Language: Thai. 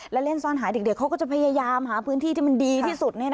และเล่นซ่อนหาเด็กเขาก็จะพยายามหาพื้นที่ที่มันดีที่สุด